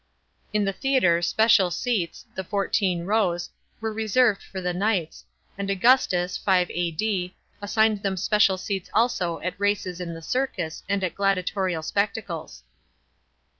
In the theatre special seats —" the fourteen rows "— were reserved for the knights, and Augustus (5 A.D.) assigned them special seats also at races in the Circus and at gladiatorial spectacles.